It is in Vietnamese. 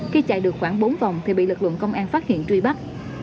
khi chạy được khoảng bốn vòng thì bị lực lượng công an phát hiện truy bắt